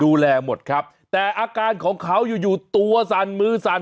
หมดครับแต่อาการของเขาอยู่อยู่ตัวสั่นมือสั่น